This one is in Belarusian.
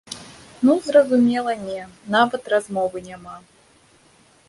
Ну, зразумела, не, нават размовы няма.